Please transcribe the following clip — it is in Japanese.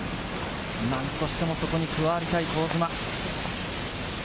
何としても、そこに加わりたい香妻。